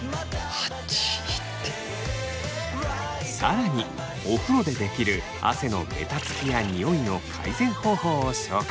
更にお風呂でできる汗のベタつきやニオイの改善方法を紹介。